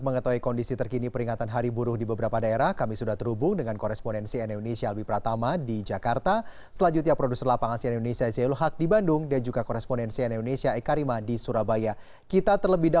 perlaksanaan aksi hari buruh internasional di depan istana jakarta